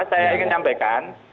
saya ingin menyampaikan